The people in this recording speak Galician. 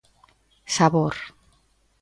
Sabor!